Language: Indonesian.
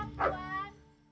semangat siap zuat